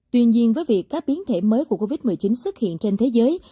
tuy nhiên với việc các biến thể mới của covid một mươi chín xuất hiện trên thế giới